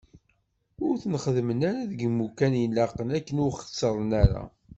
Ur ten-xeddmen ara deg yimukan i ilaqen akken ur xettren ara.